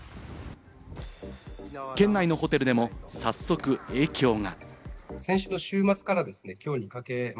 県内のホテルでも早速影響が。